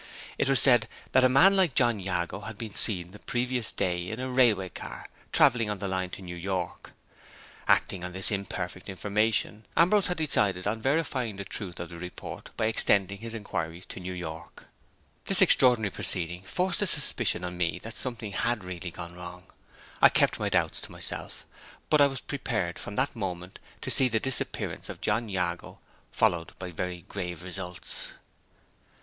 It was said that a man like John Jago had been seen the previous day in a railway car, traveling on the line to New York. Acting on this imperfect information, Ambrose had decided on verifying the truth of the report by extending his inquiries to New York. This extraordinary proceeding forced the suspicion on me that something had really gone wrong. I kept my doubts to myself; but I was prepared, from that moment, to see the disappearance of John Jago followed by very grave results.